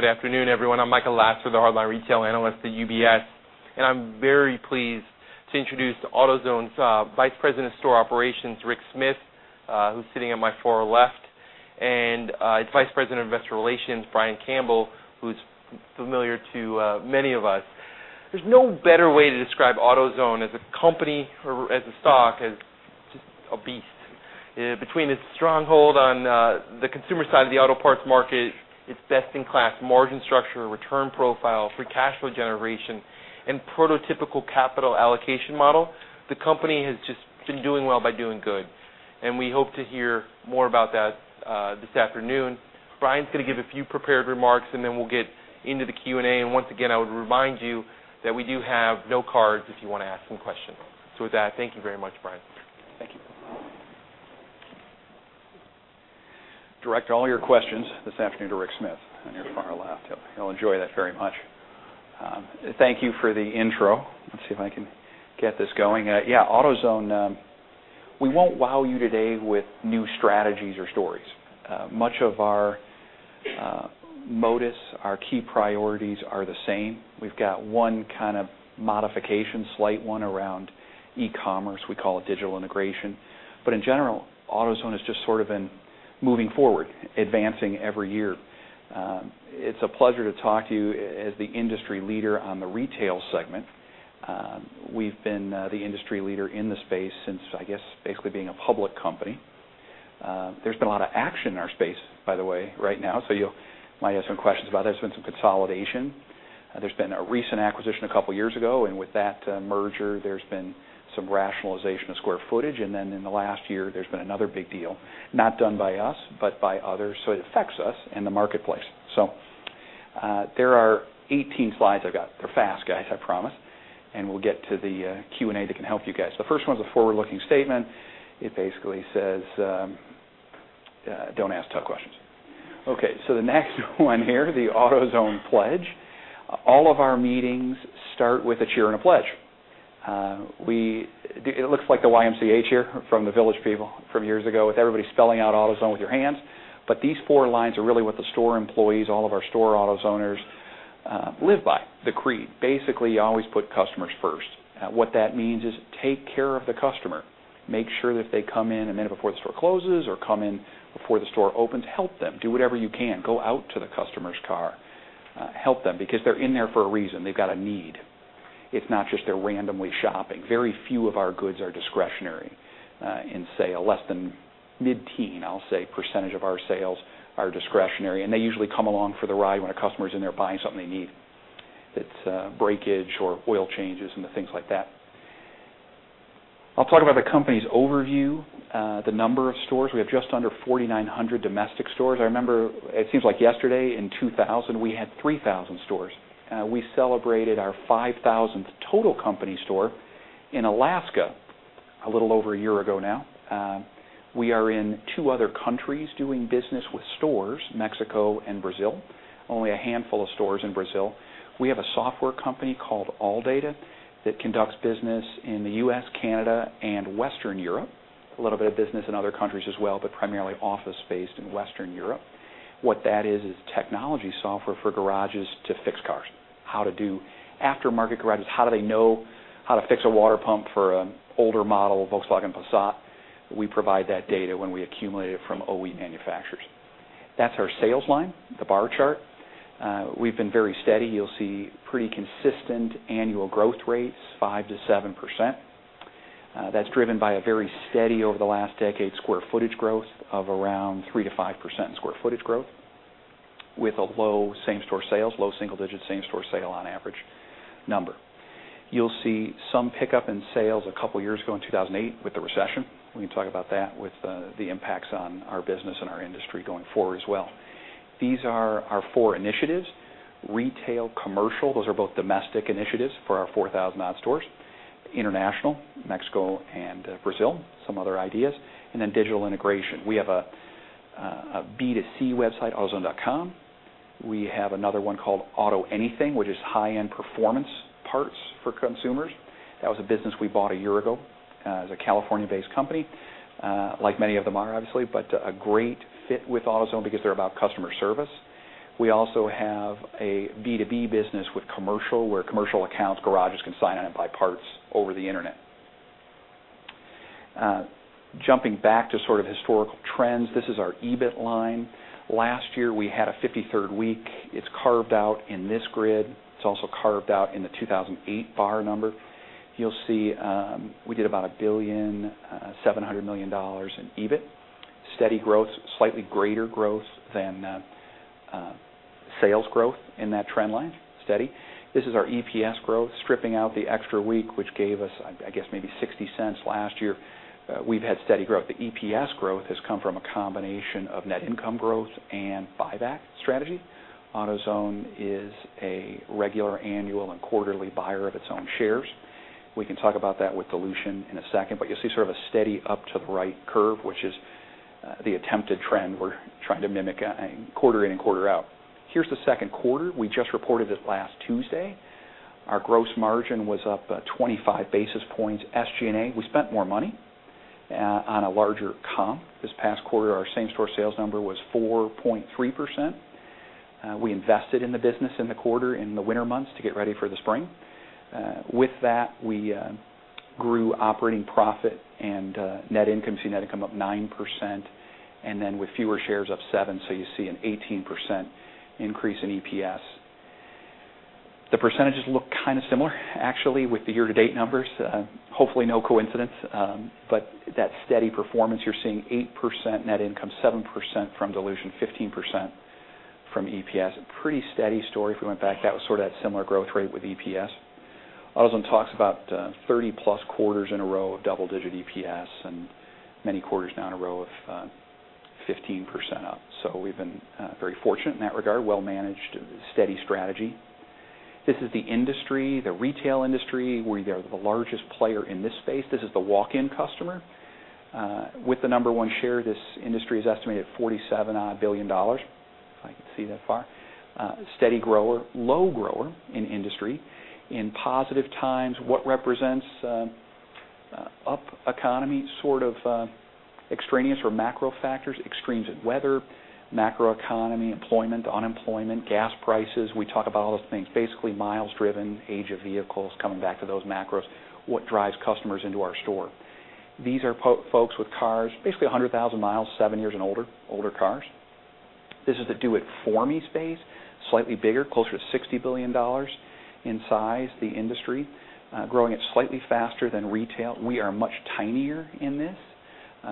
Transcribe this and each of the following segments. Good afternoon, everyone. I'm Michael Lasser, the hardline retail analyst at UBS. I'm very pleased to introduce AutoZone's Vice President of Store Operations, Rick Smith, who's sitting on my far left, and its Vice President of Investor Relations, Brian Campbell, who's familiar to many of us. There's no better way to describe AutoZone as a company or as a stock as just a beast. Between its stronghold on the consumer side of the auto parts market, its best-in-class margin structure, return profile, free cash flow generation, and prototypical capital allocation model, the company has just been doing well by doing good. We hope to hear more about that this afternoon. Brian's going to give a few prepared remarks, then we'll get into the Q&A. Once again, I would remind you that we do have note cards if you want to ask some questions. With that, thank you very much, Brian. Thank you. Direct all your questions this afternoon to Rick Smith on your far left. He'll enjoy that very much. Thank you for the intro. Let's see if I can get this going. Yeah, AutoZone, we won't wow you today with new strategies or stories. Much of our modus, our key priorities are the same. We've got one modification, slight one, around e-commerce. We call it digital integration. In general, AutoZone has just sort of been moving forward, advancing every year. It's a pleasure to talk to you as the industry leader on the retail segment. We've been the industry leader in the space since, I guess, basically being a public company. There's been a lot of action in our space, by the way, right now. You might have some questions about that. There's been some consolidation. There's been a recent acquisition a couple of years ago, and with that merger, there's been some rationalization of square footage. In the last year, there's been another big deal, not done by us, but by others. It affects us and the marketplace. There are 18 slides I've got. They're fast, guys, I promise, and we'll get to the Q&A that can help you guys. The first one is a forward-looking statement. It basically says, "Don't ask tough questions." Okay, the next one here, the AutoZone pledge. All of our meetings start with a cheer and a pledge. It looks like the YMCA cheer from The Village People from years ago with everybody spelling out AutoZone with your hands. These four lines are really what the store employees, all of our store AutoZoners live by, the creed. Basically, always put customers first. What that means is take care of the customer. Make sure that if they come in a minute before the store closes or come in before the store opens, help them. Do whatever you can. Go out to the customer's car, help them because they're in there for a reason. They've got a need. It's not just they're randomly shopping. Very few of our goods are discretionary in sale. Less than mid-teen, I'll say, percentage of our sales are discretionary, and they usually come along for the ride when a customer is in there buying something they need. It's breakage or oil changes and the things like that. I'll talk about the company's overview, the number of stores. We have just under 4,900 domestic stores. I remember, it seems like yesterday in 2000, we had 3,000 stores. We celebrated our 5,000th total company store in Alaska a little over a year ago now. We are in two other countries doing business with stores, Mexico and Brazil. Only a handful of stores in Brazil. We have a software company called ALLDATA that conducts business in the U.S., Canada, and Western Europe. A little bit of business in other countries as well, but primarily office-based in Western Europe. What that is technology software for garages to fix cars. How to do aftermarket garages, how do they know how to fix a water pump for an older model Volkswagen Passat? We provide that data when we accumulate it from OE manufacturers. That's our sales line, the bar chart. We've been very steady. You'll see pretty consistent annual growth rates, 5%-7%. That's driven by a very steady over the last decade square footage growth of around 3%-5% in square footage growth with a low same-store sales, low single-digit same-store sale on average number. You'll see some pickup in sales a couple of years ago in 2008 with the recession. We can talk about that with the impacts on our business and our industry going forward as well. These are our four initiatives, retail, commercial. Those are both domestic initiatives for our 4,000 odd stores. International, Mexico and Brazil, some other ideas, and then digital integration. We have a B2C website, autozone.com. We have another one called AutoAnything, which is high-end performance parts for consumers. That was a business we bought a year ago as a California-based company, like many of them are obviously, but a great fit with AutoZone because they're about customer service. We also have a B2B business with commercial, where commercial accounts, garages can sign in and buy parts over the Internet. Jumping back to sort of historical trends, this is our EBIT line. Last year, we had a 53rd week. It's carved out in this grid. It's also carved out in the 2008 bar number. You'll see we did about a $1.7 billion in EBIT. Steady growth, slightly greater growth than sales growth in that trend line. Steady. This is our EPS growth, stripping out the extra week, which gave us, I guess, maybe $0.60 last year. We've had steady growth. The EPS growth has come from a combination of net income growth and buyback strategy. AutoZone is a regular annual and quarterly buyer of its own shares. We can talk about that with dilution in a second. You'll see sort of a steady up to the right curve, which is the attempted trend we're trying to mimic quarter in and quarter out. Here's the second quarter. We just reported this last Tuesday. Our gross margin was up 25 basis points. SGA, we spent more money on a larger comp this past quarter. Our same-store sales number was 4.3%. We invested in the business in the quarter, in the winter months to get ready for the spring. With that, we grew operating profit and net income. You see net income up 9%, and then with fewer shares up seven, so you see an 18% increase in EPS. The percentages look similar, actually, with the year-to-date numbers. Hopefully no coincidence. That steady performance, you're seeing 8% net income, 7% from dilution, 15% from EPS. A pretty steady story if we went back out, sort of that similar growth rate with EPS. AutoZone talks about 30-plus quarters in a row of double-digit EPS and many quarters now in a row of 15% up. We've been very fortunate in that regard. Well-managed, steady strategy. This is the industry, the retail industry. We are the largest player in this space. This is the walk-in customer with the number one share. This industry is estimated at $47-odd billion, if I can see that far. Steady grower, low grower in industry. In positive times, what represents up economy sort of extraneous or macro factors, extremes in weather, macro economy, employment, unemployment, gas prices. We talk about all those things, basically miles driven, age of vehicles, coming back to those macros, what drives customers into our store. These are folks with cars, basically 100,000 miles, seven years and older cars. This is the DIFM space, slightly bigger, closer to $60 billion in size, the industry. Growing at slightly faster than retail. We are much tinier in this.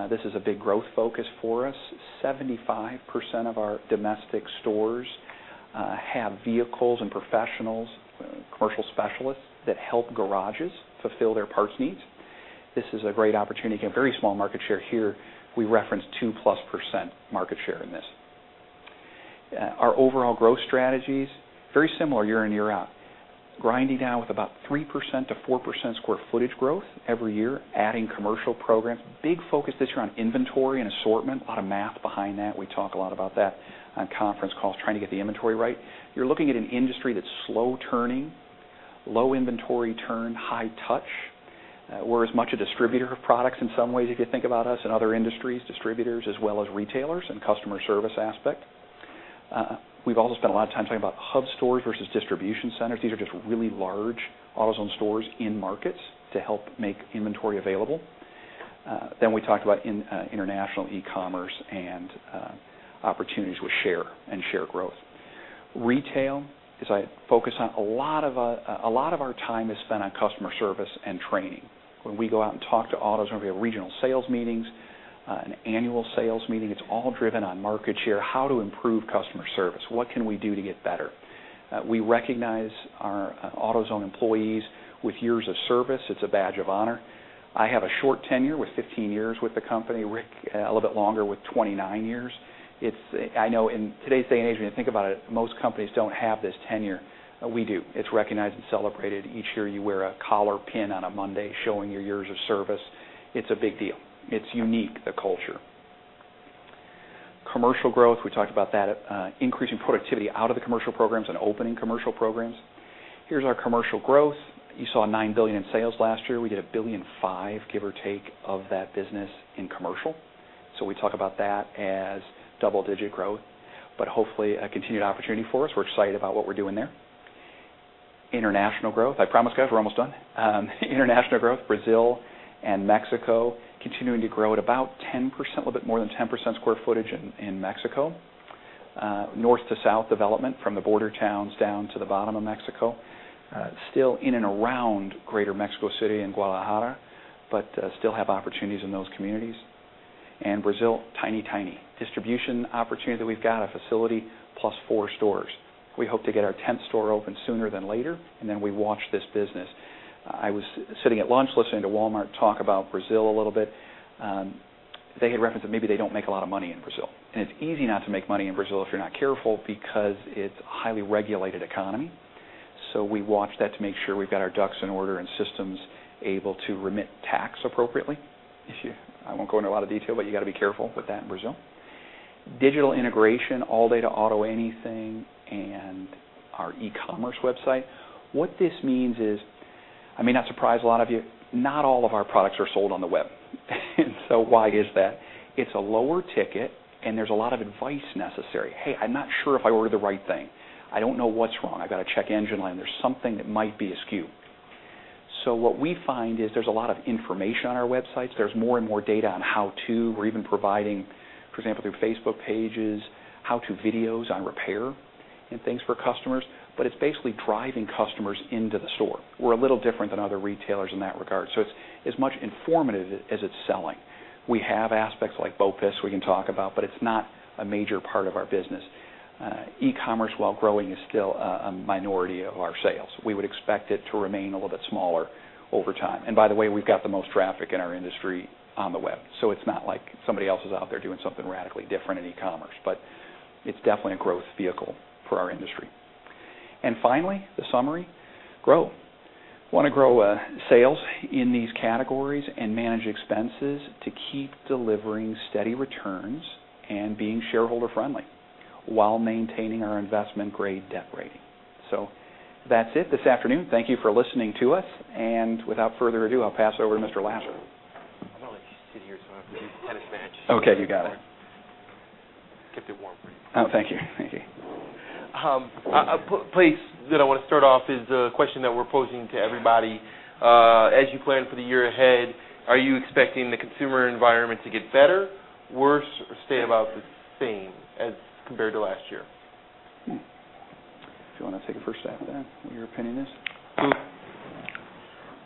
This is a big growth focus for us. 75% of our domestic stores have vehicles and professionals, commercial specialists that help garages fulfill their parts needs. This is a great opportunity. Again, very small market share here. We reference 2-plus% market share in this. Our overall growth strategies, very similar year in, year out. Grinding down with about 3%-4% square footage growth every year, adding commercial programs. Big focus this year on inventory and assortment. A lot of math behind that. We talk a lot about that on conference calls, trying to get the inventory right. You're looking at an industry that's slow turning, low inventory turn, high touch. We're as much a distributor of products in some ways, if you think about us and other industries, distributors as well as retailers and customer service aspect. We've also spent a lot of time talking about hub stores versus distribution centers. These are just really large AutoZone stores in markets to help make inventory available. We talked about international e-commerce and opportunities with share and share growth. Retail is a focus. A lot of our time is spent on customer service and training. When we go out and talk to AutoZone, we have regional sales meetings, an annual sales meeting. It's all driven on market share, how to improve customer service. What can we do to get better? We recognize our AutoZone employees with years of service. It's a badge of honor. I have a short tenure with 15 years with the company. Rick, a little bit longer with 29 years. I know in today's day and age, when you think about it, most companies don't have this tenure. We do. It's recognized and celebrated. Each year, you wear a collar pin on a Monday showing your years of service. It's a big deal. It's unique, the culture. Commercial growth, we talked about that. Increasing productivity out of the commercial programs and opening commercial programs. Here's our commercial growth. You saw $9 billion in sales last year. We did $1.5 billion, give or take, of that business in commercial. We talk about that as double-digit growth but hopefully a continued opportunity for us. We're excited about what we're doing there. International growth. I promise, guys, we're almost done. International growth, Brazil and Mexico continuing to grow at about 10%, a little bit more than 10% square footage in Mexico. North to south development from the border towns down to the bottom of Mexico. Still in and around greater Mexico City and Guadalajara, but still have opportunities in those communities. Brazil, tiny. Distribution opportunity that we've got, a facility plus 4 stores. We hope to get our 10th store open sooner than later, we watch this business. I was sitting at lunch listening to Walmart talk about Brazil a little bit. They had referenced that maybe they don't make a lot of money in Brazil. It's easy not to make money in Brazil if you're not careful because it's a highly regulated economy, we watch that to make sure we've got our ducks in order and systems able to remit tax appropriately. I won't go into a lot of detail, you got to be careful with that in Brazil. Digital integration, ALLDATA, AutoAnything, and our autozone.com website. What this means is, I may not surprise a lot of you, not all of our products are sold on the web. Why is that? It's a lower ticket and there's a lot of advice necessary. "Hey, I'm not sure if I ordered the right thing. I don't know what's wrong. I got a check engine light, and there's something that might be askew." What we find is there's a lot of information on our websites. There's more and more data on how to. We're even providing, for example, through Facebook pages, how-to videos on repair and things for customers, but it's basically driving customers into the store. We're a little different than other retailers in that regard. It's as much informative as it's selling. We have aspects like BOPIS we can talk about, but it's not a major part of our business. E-commerce, while growing, is still a minority of our sales. We would expect it to remain a little bit smaller over time. By the way, we've got the most traffic in our industry on the web, it's not like somebody else is out there doing something radically different in e-commerce, but it's definitely a growth vehicle for our industry. Finally, the summary, grow. Want to grow sales in these categories and manage expenses to keep delivering steady returns and being shareholder-friendly. While maintaining our investment-grade debt rating. That's it this afternoon. Thank you for listening to us. Without further ado, I'll pass over to Mr. Lasser. I'm going to let you sit here, so I don't have to do tennis matches. Okay, you got it. Kept it warm for you. Oh, thank you. A place that I want to start off is a question that we're posing to everybody. As you plan for the year ahead, are you expecting the consumer environment to get better, worse, or stay about the same as compared to last year? Do you want to take a first stab at what your opinion is? Sure.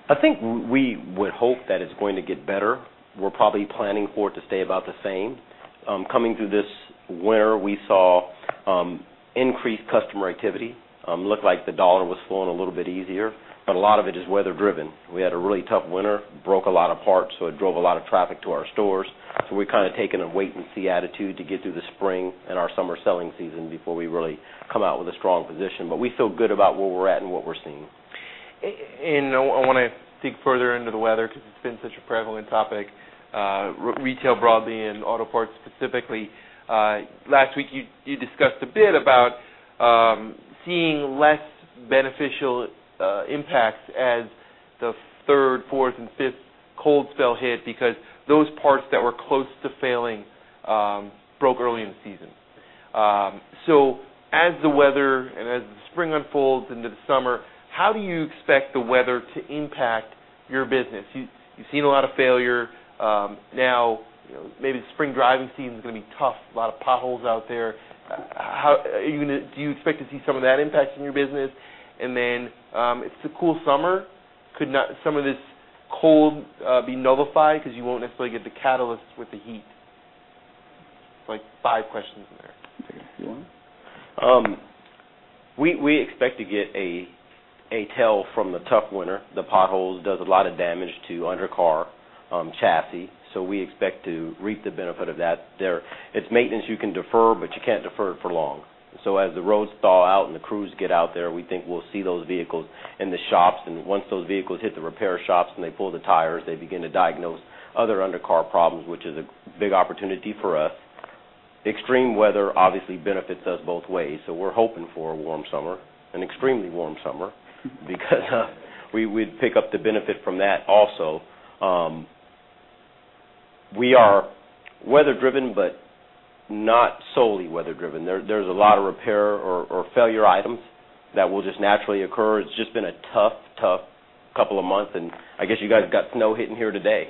I think we would hope that it's going to get better. We're probably planning for it to stay about the same. Coming through this winter, we saw increased customer activity. Looked like the dollar was flowing a little bit easier. A lot of it is weather driven. We had a really tough winter, broke a lot of parts. It drove a lot of traffic to our stores. We're kind of taking a wait and see attitude to get through the spring and our summer selling season before we really come out with a strong position. We feel good about where we're at and what we're seeing. I want to dig further into the weather because it's been such a prevalent topic, retail broadly and auto parts specifically. Last week, you discussed a bit about seeing less beneficial impacts as the third, fourth, and fifth cold spell hit because those parts that were close to failing broke early in the season. As the weather and as the spring unfolds into the summer, how do you expect the weather to impact your business? You've seen a lot of failure. Now, maybe the spring driving season is going to be tough. A lot of potholes out there. Do you expect to see some of that impact in your business? Then, if it's a cool summer, could some of this cold be nullified because you won't necessarily get the catalysts with the heat? It's like five questions in there. Take it if you want. We expect to get a tail from the tough winter. The potholes does a lot of damage to undercar chassis. We expect to reap the benefit of that there. It's deferred maintenance you can defer, but you can't defer it for long. As the roads thaw out and the crews get out there, we think we'll see those vehicles in the shops, and once those vehicles hit the repair shops and they pull the tires, they begin to diagnose other undercar problems, which is a big opportunity for us. Extreme weather obviously benefits us both ways. We're hoping for a warm summer, an extremely warm summer, because we'd pick up the benefit from that also. We are weather driven, but not solely weather driven. There's a lot of repair or failure items that will just naturally occur. It's just been a tough couple of months, and I guess you guys got snow hitting here today,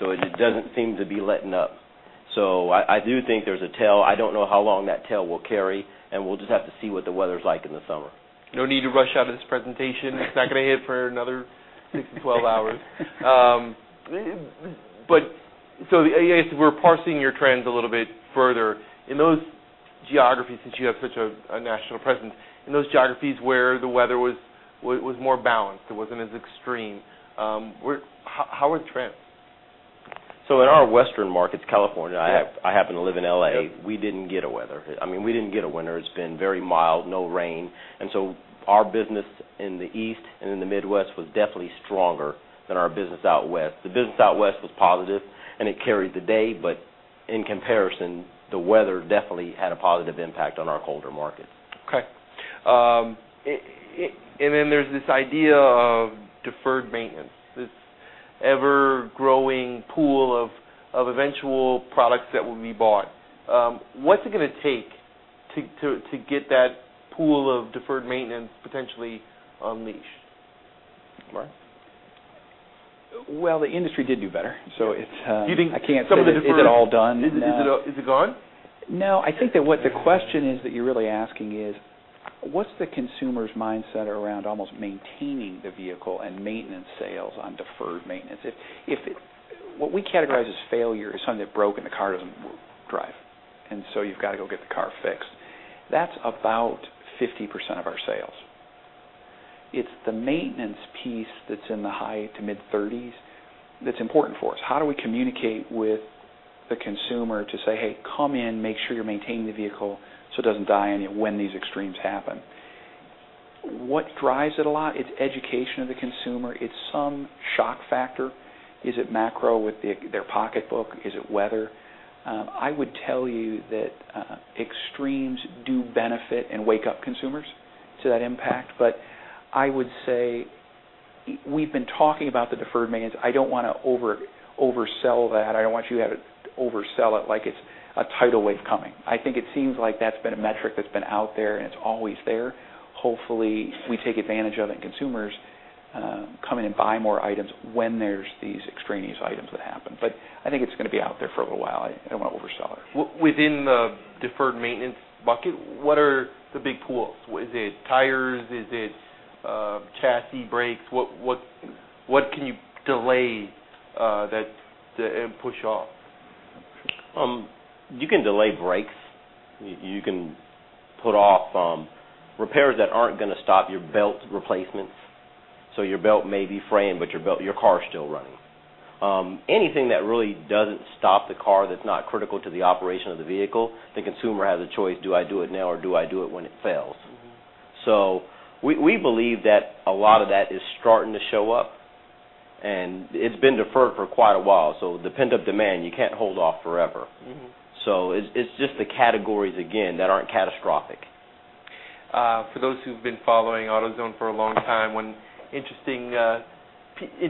so it just doesn't seem to be letting up. I do think there's a tail. I don't know how long that tail will carry, and we'll just have to see what the weather's like in the summer. No need to rush out of this presentation. It's not going to hit for another 6 to 12 hours. As we're parsing your trends a little bit further, in those geographies, since you have such a national presence, in those geographies where the weather was more balanced, it wasn't as extreme, how are the trends? In our Western markets, California, I happen to live in L.A., we didn't get a weather. We didn't get a winter. It's been very mild, no rain. Our business in the East and in the Midwest was definitely stronger than our business out West. The business out West was positive, and it carried the day, but in comparison, the weather definitely had a positive impact on our colder markets. Okay. There's this idea of deferred maintenance, this ever-growing pool of eventual products that will be bought. What's it going to take to get that pool of deferred maintenance potentially unleashed? Mark? Well, the industry did do better. Do you think some of the deferred- I can't say that it's at all done, no. Is it gone? I think that what the question is that you're really asking is, what's the consumer's mindset around almost maintaining the vehicle and maintenance sales on deferred maintenance? What we categorize as failure is something that broke, and the car doesn't drive, and so you've got to go get the car fixed. That's about 50% of our sales. It's the maintenance piece that's in the high to mid-30s that's important for us. How do we communicate with the consumer to say, "Hey, come in, make sure you're maintaining the vehicle so it doesn't die on you when these extremes happen"? What drives it a lot, it's education of the consumer. It's some shock factor. Is it macro with their pocketbook? Is it weather? I would tell you that extremes do benefit and wake up consumers to that impact. I would say we've been talking about the deferred maintenance. I don't want to oversell that. I don't want you to oversell it like it's a tidal wave coming. I think it seems like that's been a metric that's been out there, and it's always there. Hopefully, we take advantage of it, and consumers come in and buy more items when there's these extraneous items that happen. I think it's going to be out there for a little while. I don't want to oversell it. Within the deferred maintenance bucket, what are the big pools? Is it tires? Is it chassis, brakes? What can you delay and push off? You can delay brakes. You can put off repairs that aren't going to stop your belt replacements. Your belt may be fraying, but your car is still running. Anything that really doesn't stop the car, that's not critical to the operation of the vehicle, the consumer has a choice, do I do it now, or do I do it when it fails? We believe that a lot of that is starting to show up. It's been deferred for quite a while. The pent-up demand, you can't hold off forever. It's just the categories, again, that aren't catastrophic. For those who've been following AutoZone for a long time, one interesting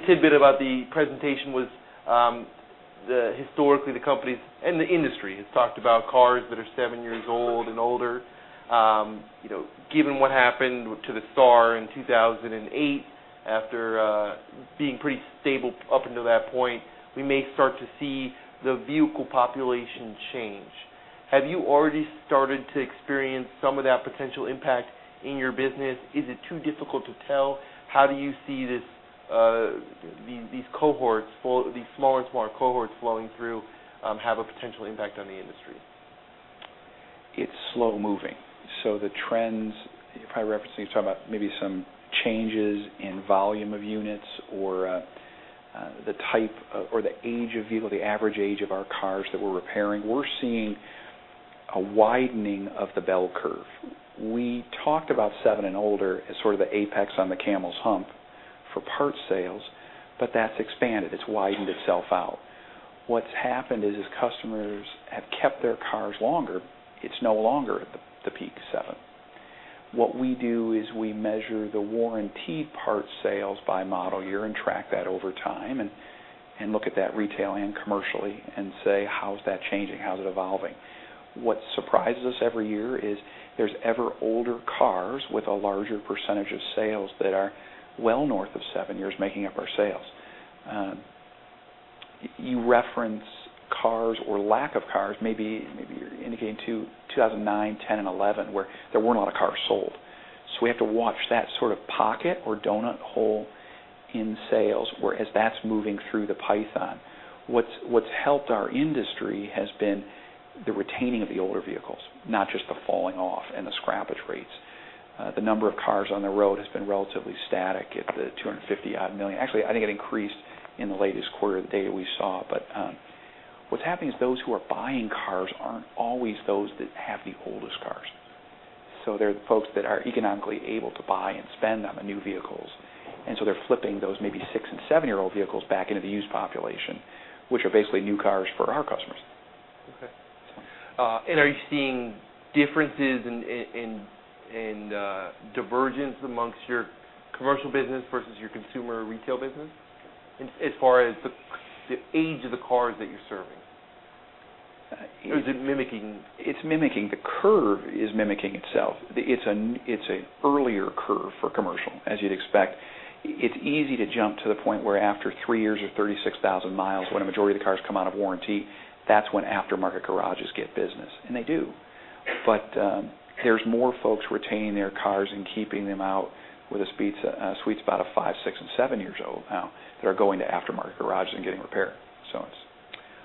tidbit about the presentation was, historically, the company and the industry has talked about cars that are seven years old and older. Given what happened to the car in 2008 after being pretty stable up until that point, we may start to see the vehicle population change. Have you already started to experience some of that potential impact in your business? Is it too difficult to tell? How do you see these cohorts, these smaller and smaller cohorts flowing through, have a potential impact on the industry? It's slow-moving. The trends, if I referencing, you're talking about maybe some changes in volume of units or the type or the age of vehicle, the average age of our cars that we're repairing. We're seeing a widening of the bell curve. We talked about seven and older as sort of the apex on the camel's hump for parts sales, but that's expanded. It's widened itself out. What's happened is customers have kept their cars longer. It's no longer at the peak seven. What we do is we measure the warranty parts sales by model year and track that over time and look at that retail and commercially and say, "How's that changing? How's it evolving?" What surprises us every year is there's ever older cars with a larger percentage of sales that are well north of seven years making up our sales. You reference cars or lack of cars, maybe you're indicating 2009, 2010, and 2011, where there weren't a lot of cars sold. We have to watch that sort of pocket or donut hole in sales as that's moving through the python. What's helped our industry has been the retaining of the older vehicles, not just the falling off and the scrappage rates. The number of cars on the road has been relatively static at the $250-odd million. Actually, I think it increased in the latest quarter of the data we saw. What's happening is those who are buying cars aren't always those that have the oldest cars, so they're the folks that are economically able to buy and spend on the new vehicles, and so they're flipping those maybe six- and seven-year-old vehicles back into the used population, which are basically new cars for our customers. Okay. Are you seeing differences and divergence amongst your commercial business versus your consumer retail business as far as the age of the cars that you're serving? Or is it mimicking? It's mimicking. The curve is mimicking itself. It's an earlier curve for commercial, as you'd expect. It's easy to jump to the point where after three years or 36,000 miles, when a majority of the cars come out of warranty, that's when aftermarket garages get business, and they do. There's more folks retaining their cars and keeping them out with a sweet spot of five, six, and seven years old now that are going to aftermarket garages and getting repaired.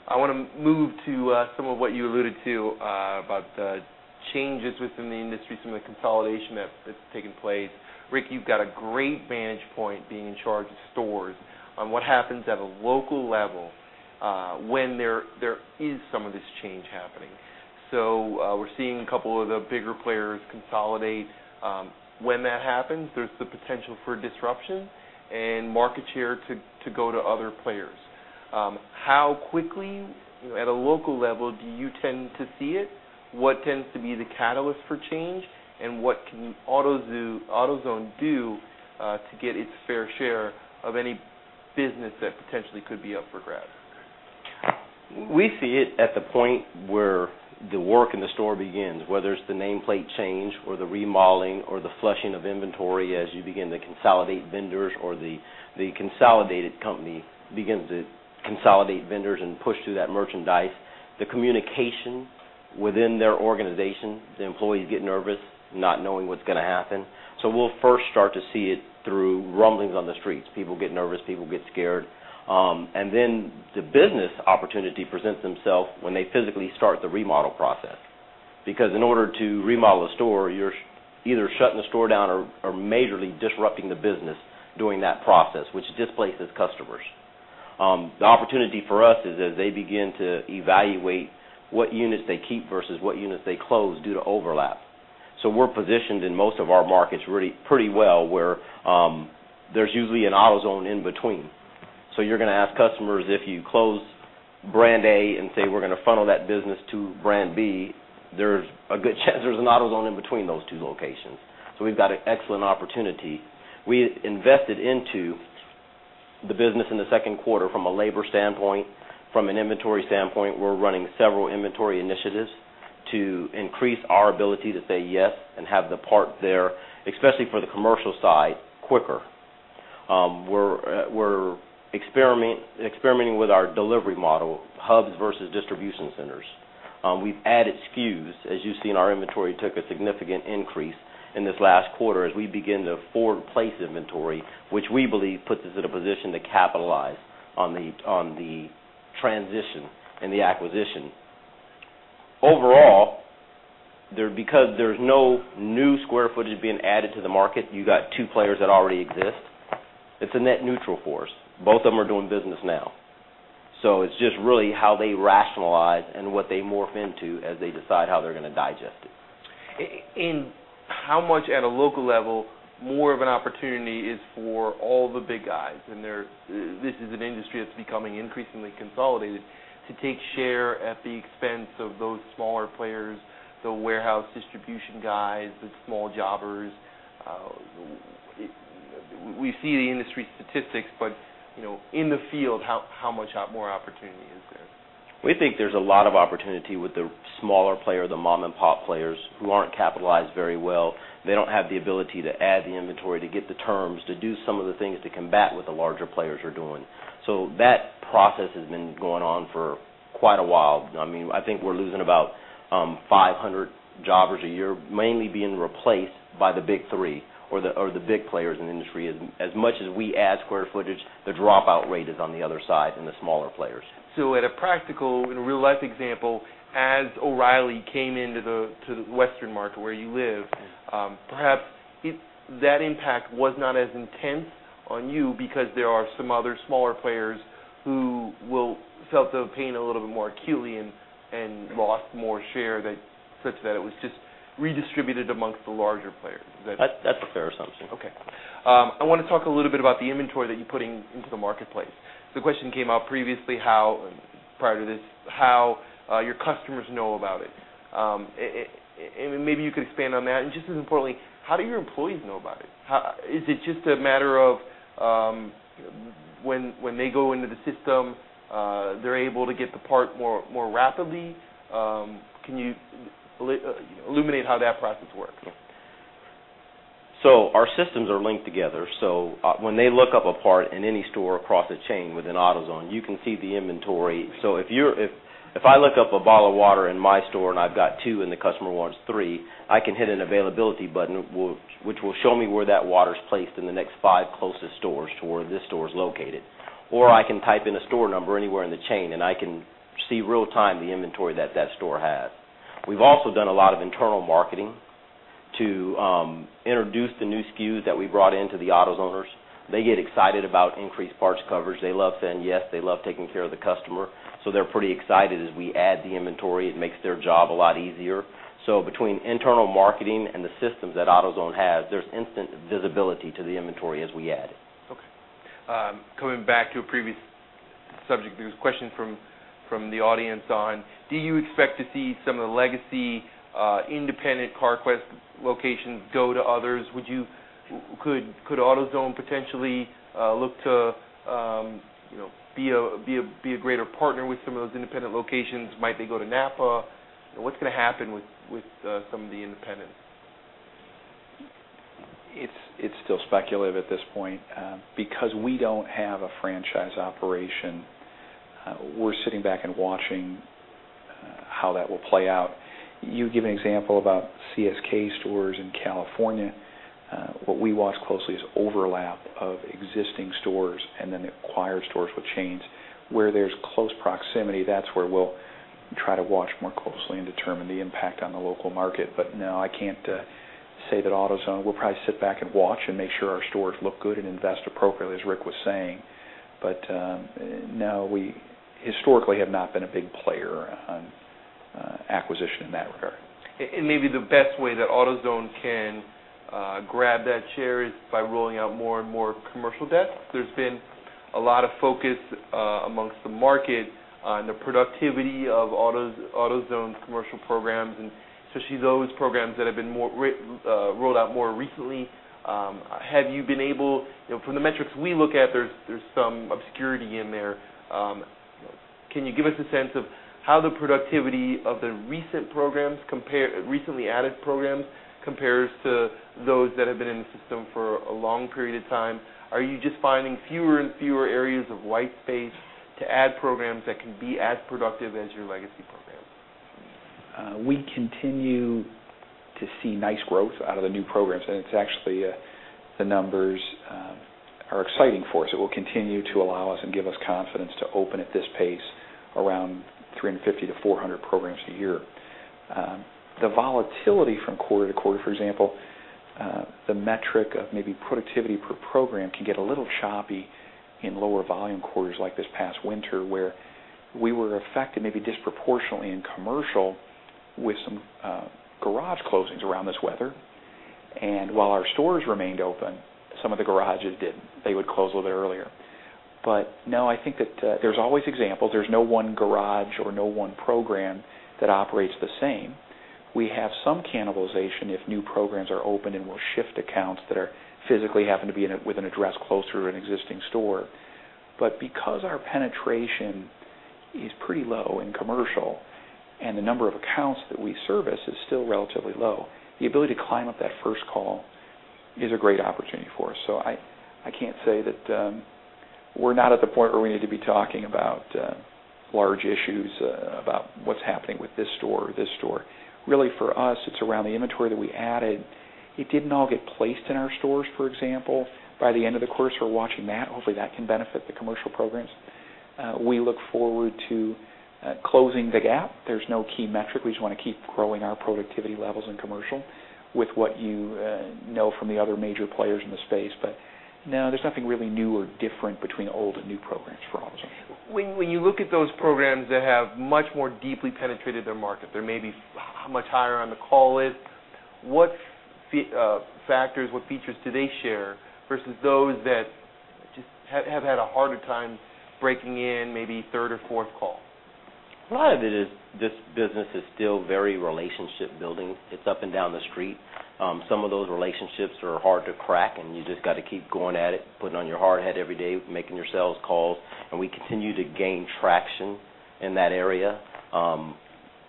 I want to move to some of what you alluded to about the changes within the industry, some of the consolidation that's taken place. Rick, you've got a great vantage point being in charge of stores on what happens at a local level when there is some of this change happening. We're seeing a couple of the bigger players consolidate. When that happens, there's the potential for disruption and market share to go to other players. How quickly, at a local level, do you tend to see it? What tends to be the catalyst for change? What can AutoZone do to get its fair share of any business that potentially could be up for grabs? We see it at the point where the work in the store begins, whether it's the nameplate change or the remodeling or the flushing of inventory as you begin to consolidate vendors or the consolidated company begins to consolidate vendors and push through that merchandise. The communication within their organization, the employees get nervous not knowing what's going to happen. We'll first start to see it through rumblings on the streets. People get nervous. People get scared. Then the business opportunity presents themselves when they physically start the remodel process. Because in order to remodel a store, you're either shutting the store down or majorly disrupting the business during that process, which displaces customers. The opportunity for us is as they begin to evaluate what units they keep versus what units they close due to overlap. We're positioned in most of our markets pretty well, where there's usually an AutoZone in between. You're going to ask customers if you close brand A and say we're going to funnel that business to brand B, there's a good chance there's an AutoZone in between those two locations. We've got an excellent opportunity. We invested into the business in the second quarter from a labor standpoint, from an inventory standpoint. We're running several inventory initiatives to increase our ability to say yes and have the part there, especially for the commercial side, quicker. We're experimenting with our delivery model, hubs versus distribution centers. We've added SKUs. As you've seen, our inventory took a significant increase in this last quarter as we begin to forward place inventory, which we believe puts us in a position to capitalize on the transition and the acquisition. Overall, because there's no new square footage being added to the market, you got two players that already exist. It's a net neutral force. Both of them are doing business now. It's just really how they rationalize and what they morph into as they decide how they're going to digest it. How much at a local level, more of an opportunity is for all the big guys, and this is an industry that's becoming increasingly consolidated, to take share at the expense of those smaller players, the warehouse distribution guys, the small jobbers. We see the industry statistics, but in the field, how much more opportunity is there? We think there's a lot of opportunity with the smaller player, the mom-and-pop players, who aren't capitalized very well. They don't have the ability to add the inventory to get the terms, to do some of the things to combat what the larger players are doing. That process has been going on for quite a while. I think we're losing about 500 jobbers a year, mainly being replaced by the big three or the big players in the industry. As much as we add square footage, the dropout rate is on the other side in the smaller players. At a practical, in a real-life example, as O'Reilly came into the Western market where you live. Yeah Perhaps that impact was not as intense on you because there are some other smaller players who felt the pain a little bit more acutely and lost more share such that it was just redistributed amongst the larger players. Is that? That's a fair assumption. Okay. I want to talk a little bit about the inventory that you're putting into the marketplace. The question came up previously, prior to this, how your customers know about it. Maybe you could expand on that. Just as importantly, how do your employees know about it? Is it just a matter of when they go into the system, they're able to get the part more rapidly? Can you illuminate how that process works? Yeah. Our systems are linked together, so when they look up a part in any store across the chain within AutoZone, you can see the inventory. If I look up a bottle of water in my store and I've got two and the customer wants three, I can hit an availability button, which will show me where that water's placed in the next five closest stores to where this store is located. I can type in a store number anywhere in the chain, and I can see real time the inventory that that store has. We've also done a lot of internal marketing to introduce the new SKUs that we brought in to the AutoZoners. They get excited about increased parts coverage. They love saying yes. They love taking care of the customer. They're pretty excited as we add the inventory. It makes their job a lot easier. Between internal marketing and the systems that AutoZone has, there's instant visibility to the inventory as we add. Okay. Coming back to a previous subject, there was a question from the audience on, do you expect to see some of the legacy independent Carquest locations go to others? Could AutoZone potentially look to be a greater partner with some of those independent locations? Might they go to NAPA? What's going to happen with some of the independents? It's still speculative at this point. We don't have a franchise operation, we're sitting back and watching how that will play out. You give an example about CSK stores in California. What we watch closely is overlap of existing stores and then acquired stores with chains. Where there's close proximity, that's where we'll try to watch more closely and determine the impact on the local market. No, I can't say that AutoZone We'll probably sit back and watch and make sure our stores look good and invest appropriately, as Rick was saying. No, we historically have not been a big player on acquisition in that regard. Maybe the best way that AutoZone can grab that share is by rolling out more and more commercial depth. There's been a lot of focus amongst the market on the productivity of AutoZone's commercial programs, and especially those programs that have been rolled out more recently. From the metrics we look at, there's some obscurity in there. Can you give us a sense of how the productivity of the recently added programs compares to those that have been in the system for a long period of time? Are you just finding fewer and fewer areas of white space to add programs that can be as productive as your legacy programs? We continue to see nice growth out of the new programs, and it's actually, the numbers are exciting for us. It will continue to allow us and give us confidence to open at this pace around 350 to 400 programs a year. The volatility from quarter to quarter, for example, the metric of maybe productivity per program can get a little choppy in lower volume quarters like this past winter where we were affected maybe disproportionately in commercial with some garage closings around this weather. While our stores remained open, some of the garages didn't. They would close a little earlier. No, I think that there's always examples. There's no one garage or no one program that operates the same. We have some cannibalization if new programs are open and we'll shift accounts that physically happen to be with an address closer to an existing store. Because our penetration is pretty low in commercial and the number of accounts that we service is still relatively low, the ability to climb up that first call is a great opportunity for us. I can't say that we're not at the point where we need to be talking about large issues about what's happening with this store or this store. Really, for us, it's around the inventory that we added. It didn't all get placed in our stores, for example. By the end of the quarter, we're watching that. Hopefully, that can benefit the commercial programs. We look forward to closing the gap. There's no key metric. We just want to keep growing our productivity levels in commercial with what you know from the other major players in the space. No, there's nothing really new or different between old and new programs for AutoZone. When you look at those programs that have much more deeply penetrated their market, they may be much higher on the call list. What factors, what features do they share versus those that just have had a harder time breaking in, maybe third or fourth call? A lot of it is this business is still very relationship building. It's up and down the street. Some of those relationships are hard to crack, and you just got to keep going at it, putting on your hard hat every day, making your sales calls, and we continue to gain traction in that area.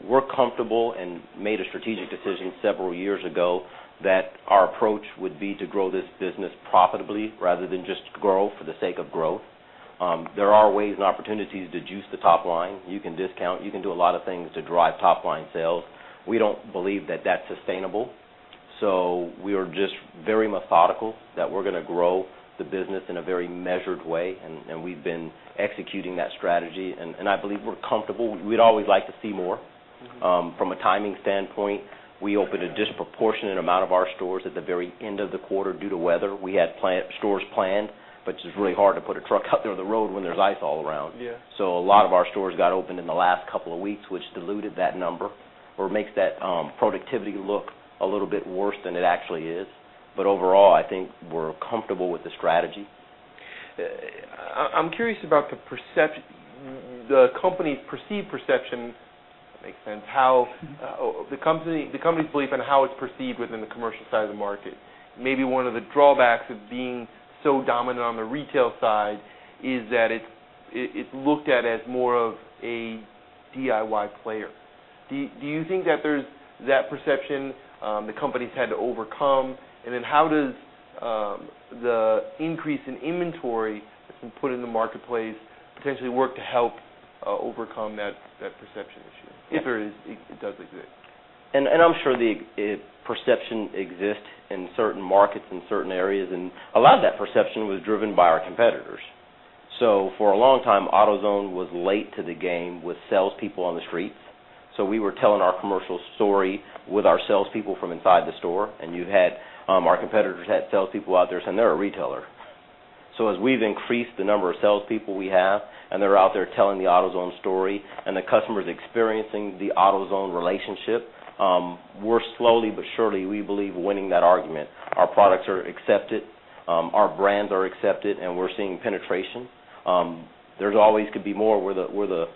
We're comfortable and made a strategic decision several years ago that our approach would be to grow this business profitably rather than just grow for the sake of growth. There are ways and opportunities to juice the top line. You can discount. You can do a lot of things to drive top-line sales. We don't believe that that's sustainable. We are just very methodical that we're going to grow the business in a very measured way, and we've been executing that strategy, and I believe we're comfortable. We'd always like to see more. From a timing standpoint, we open a disproportionate amount of our stores at the very end of the quarter due to weather. We had stores planned. It's really hard to put a truck out there on the road when there's ice all around. Yeah. A lot of our stores got opened in the last couple of weeks, which diluted that number or makes that productivity look a little bit worse than it actually is. Overall, I think we're comfortable with the strategy. I'm curious about the company's perceived perception. Does that make sense? The company's belief and how it's perceived within the commercial side of the market. Maybe one of the drawbacks of being so dominant on the retail side is that it's looked at as more of a DIY player. Do you think that there's that perception the company's had to overcome, and then how does the increase in inventory that's been put in the marketplace potentially work to help overcome that perception issue, if it does exist? I'm sure the perception exists in certain markets, in certain areas, and a lot of that perception was driven by our competitors. For a long time, AutoZone was late to the game with salespeople on the streets. We were telling our commercial story with our salespeople from inside the store, and you had our competitors had salespeople out there saying they're a retailer. As we've increased the number of salespeople we have, and they're out there telling the AutoZone story and the customer's experiencing the AutoZone relationship, we're slowly but surely, we believe, winning that argument. Our products are accepted. Our brands are accepted, and we're seeing penetration. There always could be more. We're the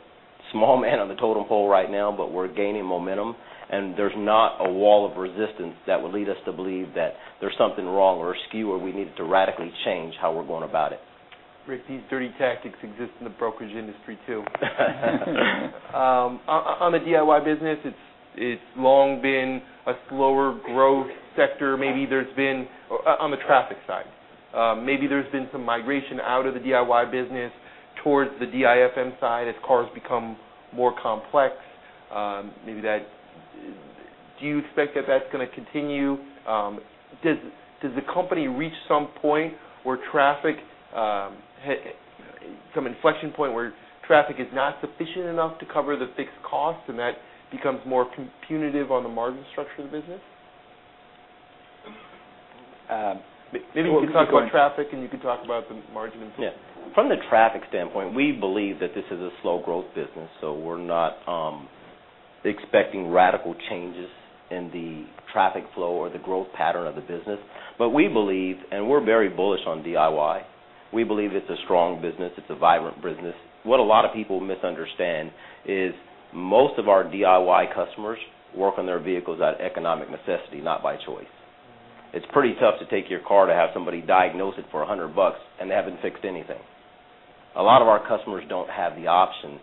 small man on the totem pole right now, but we're gaining momentum, and there's not a wall of resistance that would lead us to believe that there's something wrong or askew, or we need to radically change how we're going about it. Rick, these dirty tactics exist in the brokerage industry, too. On the DIY business, it's long been a slower growth sector. On the traffic side, maybe there's been some migration out of the DIY business towards the DIFM side as cars become more complex. Do you expect that that's going to continue? Does the company reach some point where traffic, some inflection point where traffic is not sufficient enough to cover the fixed costs and that becomes more punitive on the margin structure of the business? Maybe you can talk about traffic, and you can talk about the margin. Yeah. From the traffic standpoint, we believe that this is a slow growth business, we're not expecting radical changes in the traffic flow or the growth pattern of the business. We believe, and we're very bullish on DIY. We believe it's a strong business. It's a vibrant business. What a lot of people misunderstand is most of our DIY customers work on their vehicles out of economic necessity, not by choice. It's pretty tough to take your car to have somebody diagnose it for $100, and they haven't fixed anything. A lot of our customers don't have the option.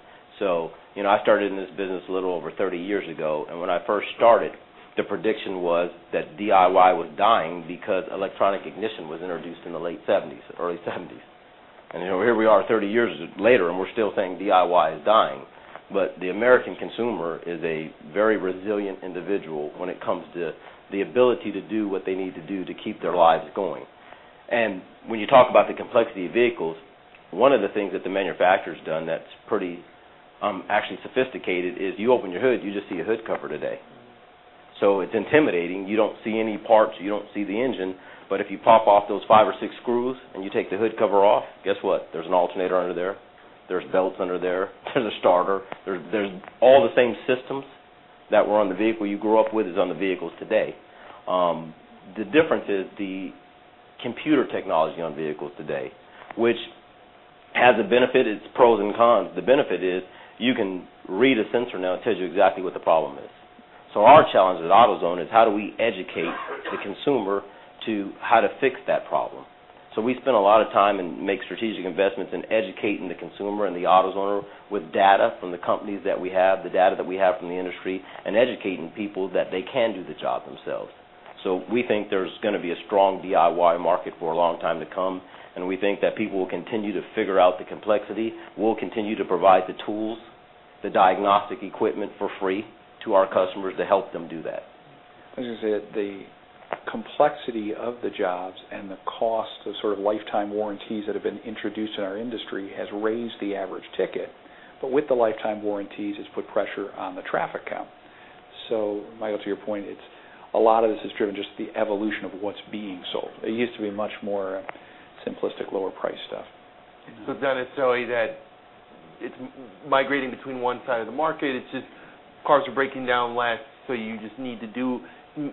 I started in this business a little over 30 years ago, and when I first started, the prediction was that DIY was dying because electronic ignition was introduced in the late '70s, early '70s. Here we are 30 years later, and we're still saying DIY is dying. The American consumer is a very resilient individual when it comes to the ability to do what they need to do to keep their lives going. When you talk about the complexity of vehicles, one of the things that the manufacturer's done that's pretty, actually sophisticated is you open your hood, you just see a hood cover today. It's intimidating. You don't see any parts. You don't see the engine. But if you pop off those five or six screws and you take the hood cover off, guess what? There's an alternator under there. There's belts under there. There's a starter. There's all the same systems that were on the vehicle you grew up with is on the vehicles today. The difference is the computer technology on vehicles today, which has a benefit. It's pros and cons. The benefit is you can read a sensor now, it tells you exactly what the problem is. Our challenge at AutoZone is how do we educate the consumer to how to fix that problem. We spend a lot of time and make strategic investments in educating the consumer and the AutoZoner with data from the companies that we have, the data that we have from the industry, and educating people that they can do the job themselves. We think there's going to be a strong DIY market for a long time to come, and we think that people will continue to figure out the complexity. We'll continue to provide the tools, the diagnostic equipment for free to our customers to help them do that. This is it. The complexity of the jobs and the cost of lifetime warranties that have been introduced in our industry has raised the average ticket. With the lifetime warranties, it's put pressure on the traffic count. Michael, to your point, a lot of this is driven by just the evolution of what's being sold. It used to be much more simplistic, lower priced stuff. It's not necessarily that it's migrating between one side of the market, it's just cars are breaking down less, so you just need to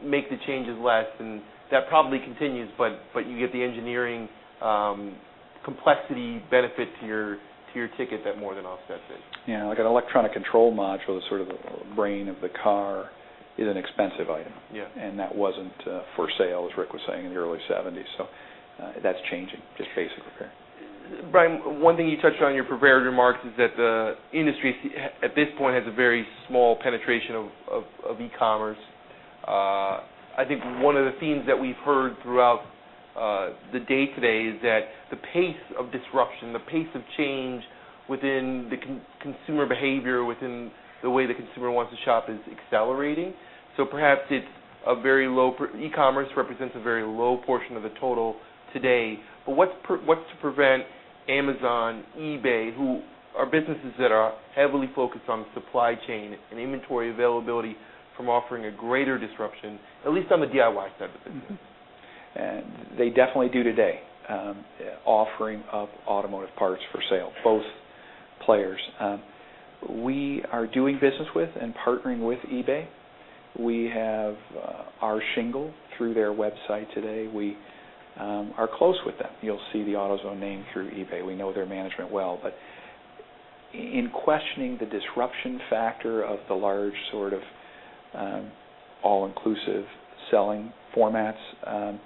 make the changes last, and that probably continues, but you get the engineering complexity benefit to your ticket that more than offsets it. Yeah. Like an electronic control module, the brain of the car, is an expensive item. Yeah. That wasn't for sale, as Rick was saying, in the early '70s. That's changing, just basically. Brian, one thing you touched on in your prepared remarks is that the industry, at this point, has a very small penetration of e-commerce. I think one of the themes that we've heard throughout the day today is that the pace of disruption, the pace of change within the consumer behavior, within the way the consumer wants to shop, is accelerating. Perhaps e-commerce represents a very low portion of the total today. What's to prevent Amazon, eBay, who are businesses that are heavily focused on supply chain and inventory availability, from offering a greater disruption, at least on the DIY side of the business? They definitely do today, offering up automotive parts for sale, both players. We are doing business with and partnering with eBay. We have our shingle through their website today. We are close with them. You'll see the AutoZone name through eBay. We know their management well. In questioning the disruption factor of the large, all-inclusive selling formats,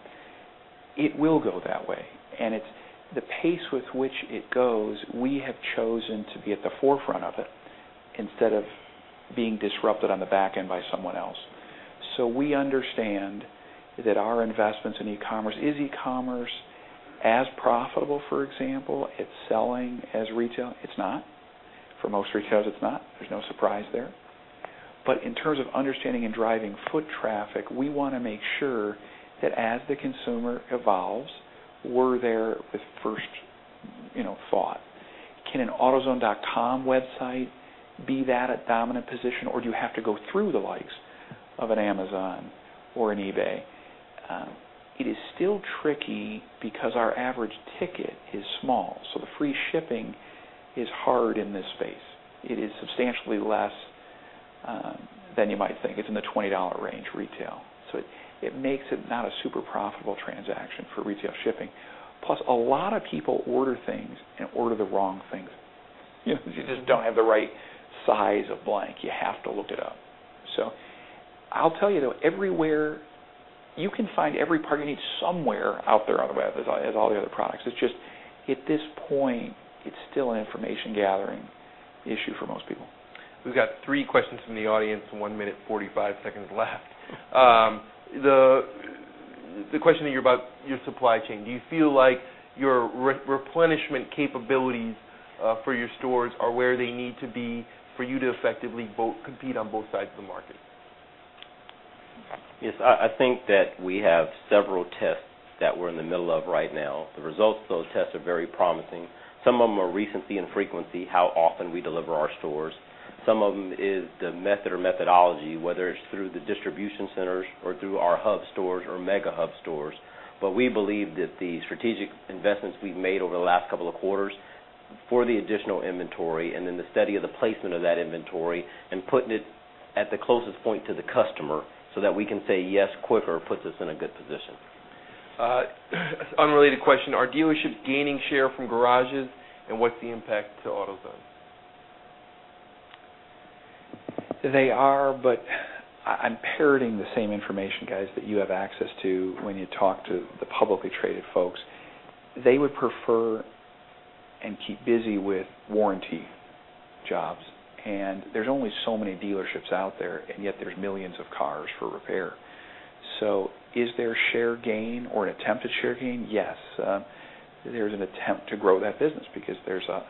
it will go that way. The pace with which it goes, we have chosen to be at the forefront of it instead of being disrupted on the back end by someone else. We understand that our investments in e-commerce Is e-commerce as profitable, for example, at selling as retail? It's not. For most retailers, it's not. There's no surprise there. In terms of understanding and driving foot traffic, we want to make sure that as the consumer evolves, we're their first thought. Can an autozone.com website be that dominant position, or do you have to go through the likes of an Amazon or an eBay? It is still tricky because our average ticket is small, so the free shipping is hard in this space. It is substantially less than you might think. It's in the $20 range retail, so it makes it not a super profitable transaction for retail shipping. Plus, a lot of people order things and order the wrong things. You just don't have the right size of blank. You have to look it up. I'll tell you, though, you can find every part you need somewhere out there on the web, as all the other products. It's just at this point, it's still an information-gathering issue for most people. We've got three questions from the audience and one minute and 45 seconds left. The question to you about your supply chain, do you feel like your replenishment capabilities for your stores are where they need to be for you to effectively compete on both sides of the market? I think that we have several tests that we're in the middle of right now. The results of those tests are very promising. Some of them are recency and frequency, how often we deliver our stores. Some of them is the method or methodology, whether it's through the distribution centers or through our hub stores or mega hub stores. We believe that the strategic investments we've made over the last couple of quarters for the additional inventory and then the study of the placement of that inventory and putting it at the closest point to the customer so that we can say yes quicker, puts us in a good position. An unrelated question, are dealerships gaining share from garages, and what's the impact to AutoZone? They are, I'm parroting the same information, guys, that you have access to when you talk to the publicly traded folks. They would prefer and keep busy with warranty jobs. There's only so many dealerships out there, and yet there's millions of cars for repair. Is there share gain or an attempt at share gain? Yes. There's an attempt to grow that business because there's a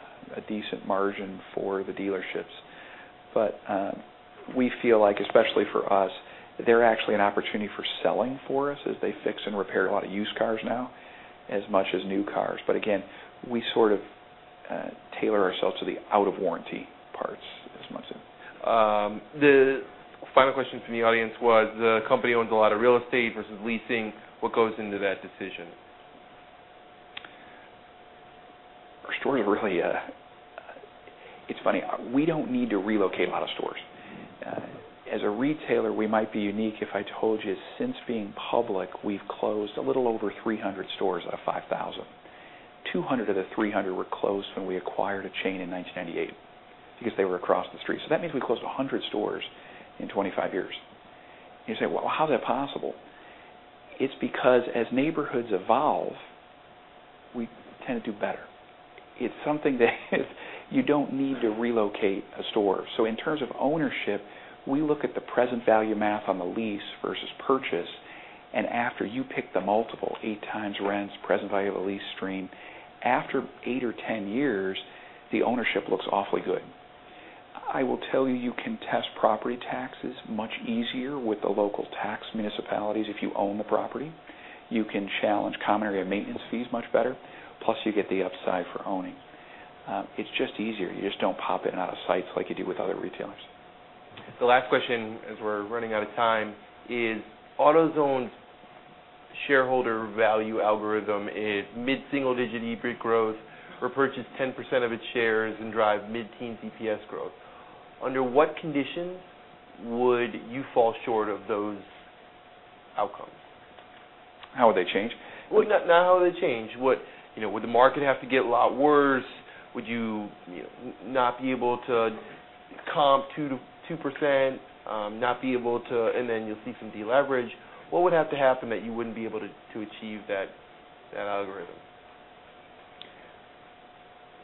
decent margin for the dealerships. We feel like, especially for us, they're actually an opportunity for selling for us as they fix and repair a lot of used cars now as much as new cars. Again, we sort of tailor ourselves to the out-of-warranty parts as much. The final question from the audience was, the company owns a lot of real estate versus leasing. What goes into that decision? Our stores are really. It's funny. We don't need to relocate a lot of stores. As a retailer, we might be unique if I told you since being public, we've closed a little over 300 stores out of 5,000. 200 of the 300 were closed when we acquired a chain in 1998 because they were across the street. That means we closed 100 stores in 25 years. You say, "Well, how is that possible?" It's because as neighborhoods evolve, we tend to do better. It's something that you don't need to relocate a store. In terms of ownership, we look at the present value math on the lease versus purchase, and after you pick the multiple, eight times rents, present value of a lease stream, after eight or 10 years, the ownership looks awfully good. I will tell you can test property taxes much easier with the local tax municipalities if you own the property. You can challenge common area maintenance fees much better. Plus, you get the upside for owning. It's just easier. You just don't pop in and out of sites like you do with other retailers. The last question, as we're running out of time, is AutoZone's shareholder value algorithm is mid-single-digit EBIT growth, repurchase 10% of its shares, and drive mid-teen EPS growth. Under what conditions would you fall short of those outcomes? How would they change? Well, not how would they change. Would the market have to get a lot worse? Would you not be able to comp 2%, and then you'll see some de-leverage? What would have to happen that you wouldn't be able to achieve that algorithm?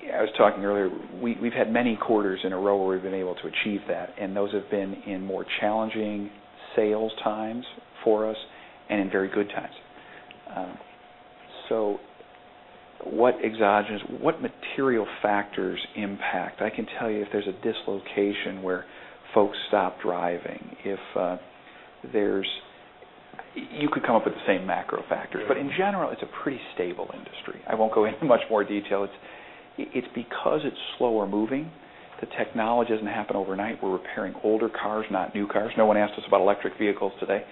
Yeah, I was talking earlier, we've had many quarters in a row where we've been able to achieve that, and those have been in more challenging sales times for us and in very good times. What exogenous, what material factors impact? I can tell you if there's a dislocation where folks stop driving. You could come up with the same macro factors. Yeah. In general, it's a pretty stable industry. I won't go into much more detail. It's because it's slower moving, the technology doesn't happen overnight. We're repairing older cars, not new cars. No one asked us about electric vehicles today.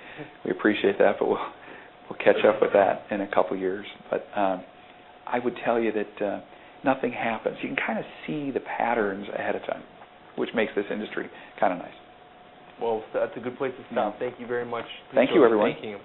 We appreciate that, but we'll catch up with that in a couple of years. I would tell you that nothing happens. You can kind of see the patterns ahead of time, which makes this industry kind of nice. Well, that's a good place to stop. Thank you very much. Thank you, everyone.